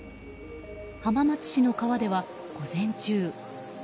浜松市の川では、午前中。